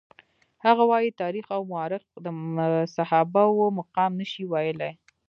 هغه وايي تاریخ او مورخ د صحابه وو مقام نشي ویلای.